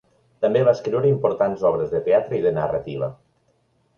També va escriure importants obres de teatre i de narrativa.